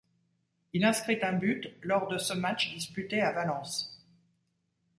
Il inscrit un but lors de ce match disputé à Valence.